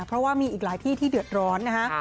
เพราะว่ามีอีกหลายที่ที่เดือดร้อนนะฮะ